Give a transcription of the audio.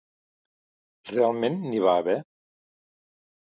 Realment n’hi va haver?